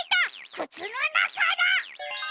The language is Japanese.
くつのなかだ！